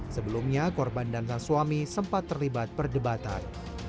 sebelumnya korban dan sang suami sempat terlibat perdebatan